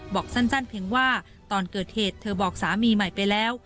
บอกสั้นเพียงว่าตอนเกิดเหตุเธอบอกสามีใหม่ไปแล้ว